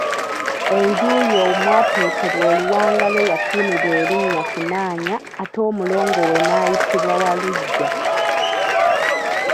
Enju ye omwateekebwa oluwanga lwe yatuumibwa erinnya Kkunnaanya ate omulongo we n'ayitibwa Walugya.